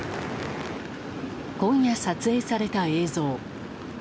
今夜撮影された映像。